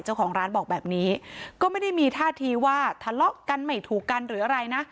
เจ้าของร้านบอกแบบนี้ก็ไม่ได้มีท่าทีว่าทะเลาะกันไม่ถูกกันหรืออะไรนะ